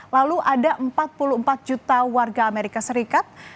lalu ada empat puluh empat juta warga amerika serikat